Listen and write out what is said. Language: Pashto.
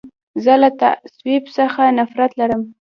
زه له تعصب څخه نفرت لرم.